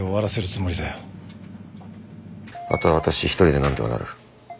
あとは私一人で何とかなる。